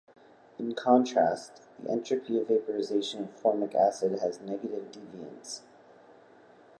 In contrast, the entropy of vaporization of formic acid has negative deviance.